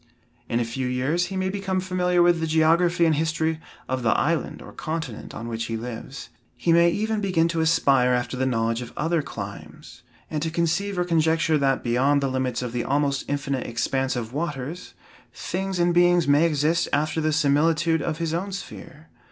In a few years he may become familiar with the geography and history of the island or continent on which he lives. He may even begin to aspire after the knowledge of other climes, and to conceive or conjecture that beyond the limits of the almost infinite expanse of waters, things and beings may exist after the similitude of his own sphere.